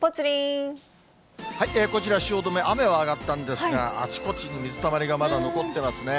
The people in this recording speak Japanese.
こちら汐留、雨は上がったんですが、あちこちに水たまりがまだ残ってますね。